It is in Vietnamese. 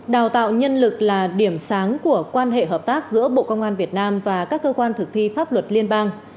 đào tạo nhân lực là điểm sáng của quan hệ hợp tác giữa bộ công an việt nam và các cơ quan thực thi pháp luật liên bang